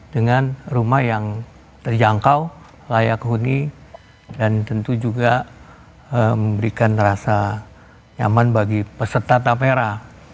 dengan rumah yang terjangkau layak huni dan tentu juga memberikan rasa nyaman bagi peserta tapera